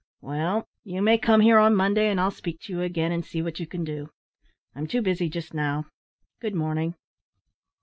"Well, you may come here on Monday, and I'll speak to you again, and see what you can do. I'm too busy just now. Good morning."